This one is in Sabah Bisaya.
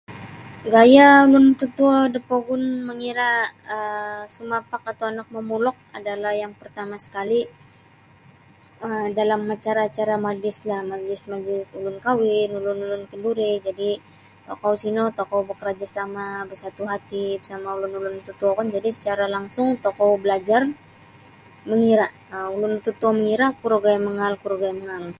Gaya ulun tatuo da pogun mangira um sumapak atau anak momulok adalah yang pertama sekali um dalam acara- acara majlis-majlis ulun-ulun kahwin majlis ulun-ulun kenduri jadi tokou sino bekerjasama bersatu hati sekurang-kurangnya tokou belajar ulun tatuo mangira kuro gaya manggaal kuro gaya mangaal.